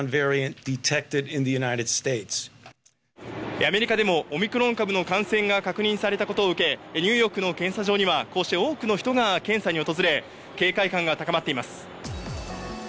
アメリカでもオミクロン株の感染が確認されたことを受け、ニューヨークの検査場には、こうして多くの人が検査に訪れ、警戒感が高まっています。